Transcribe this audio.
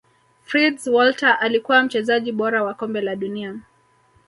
fritz walter alikuwa mchezaji bora wa kombe la dunia